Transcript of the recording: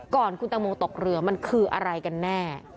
ก่อนคุณตังโมตกเรือมันคืออะไรกันแน่